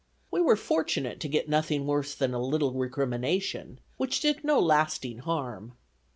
We were fortunate to get nothing worse than a little recrimination, which did no lasting harm.